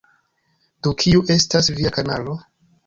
Do kiu estas via kanalo?